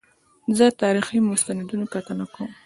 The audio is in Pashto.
زه د تاریخي مستندونو کتنه کوم.